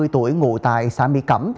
ba mươi tuổi ngụ tại xã mỹ cẩm